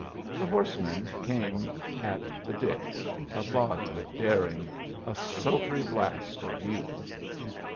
The horsemen came at the ditch, a body of daring, a sultry blast of youth.